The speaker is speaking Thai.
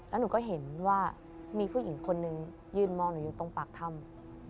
แล้วหนูก็เห็นว่ามีผู้หญิงคนนึงยืนมองหนูอยู่ตรงปากถ้ำ